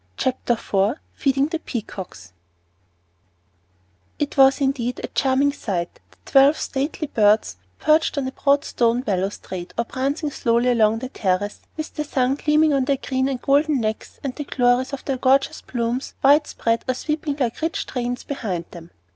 Chapter IV FEEDING THE PEACOCKS It was indeed a charming sight, the twelve stately birds perched on the broad stone balustrade, or prancing slowly along the terrace, with the sun gleaming on their green and golden necks and the glories of their gorgeous plumes, widespread, or sweeping like rich trains behind them.